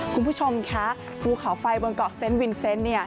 คุณผู้ชมคะภูเขาไฟบนเกาะเซนต์วินเซนต์